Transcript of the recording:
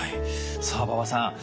さあ馬場さん